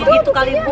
begitu kali bu